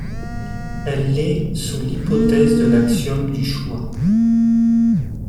Elle l'est sous l'hypothèse de l'axiome du choix.